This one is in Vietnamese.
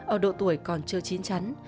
ở độ tuổi còn chưa chín chắn